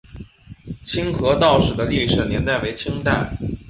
清河道署的历史年代为清代。